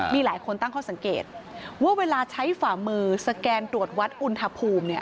มีหลายคนตั้งข้อสังเกตว่าเวลาใช้ฝ่ามือสแกนตรวจวัดอุณหภูมิเนี่ย